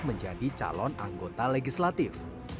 menjadi calon anggota legislatif